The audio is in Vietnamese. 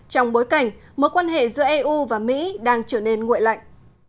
trong bối cảnh mối quan hệ giữa eu và mỹ đang trở nên nguội lạnh